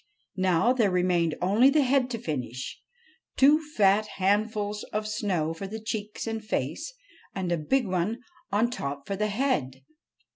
Now there remained only the head to finish. Two fat handfuls of snow for the cheeks and face, and a big one on top for the head.